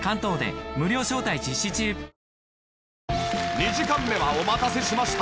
２時間目はお待たせしました